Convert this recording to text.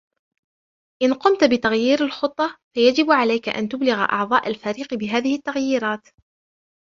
إذا قمت بتغيير الخطة ، فيجب عليك أن تبلغ أعضاء الفريق بهذه التغييرات.